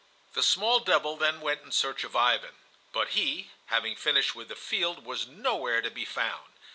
The small devil then went in search of Ivan. But he, having finished with the field, was nowhere to be found.